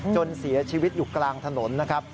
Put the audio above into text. จนเสียชีวิตอยู่กลางถนนนะครับ